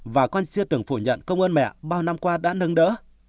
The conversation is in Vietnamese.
và con chia từng phủ nhận công ơn mẹ bao năm qua đã nâng đỡ